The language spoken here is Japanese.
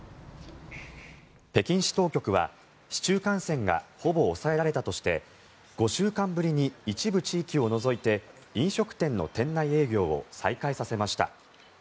北京市当局は市中感染がほぼ抑えられたとして５週間ぶりに一部地域を除いて飲食店の店内営業を再開させました。